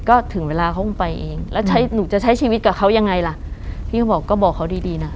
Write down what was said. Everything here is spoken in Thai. ก็ถึงเวลาเขาคงไปเองแล้วใช้หนูจะใช้ชีวิตกับเขายังไงล่ะพี่ก็บอกก็บอกเขาดีดีน่ะ